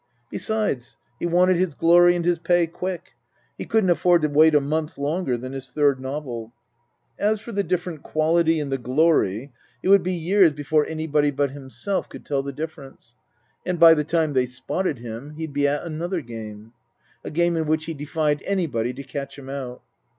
Besides, he wanted his glory and his pay quick. He couldn't afford to wait a month longer than his third novel. As for the different quality in the glory it would be years before anybody but Book I : My Book 37 himself could tell the difference, and by the time they spotted him he'd be at another game. A game in which he defied anybody to catch him out.